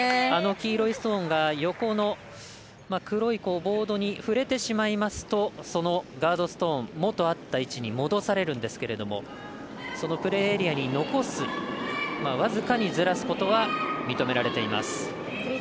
あの黄色いストーンが横の黒いボードに触れてしまいますとそのガードストーンもとあった位置に戻されるんですけれどもそのプレーエリアに残す僅かにずらすことは認められています。